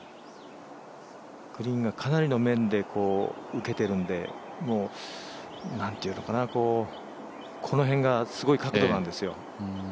グリーンがかなりの面で、受けてるのでこの辺がすごい角度なんですよ。